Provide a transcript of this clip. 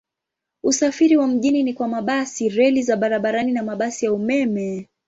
Usafiri wa mjini ni kwa mabasi, reli za barabarani na mabasi ya umeme.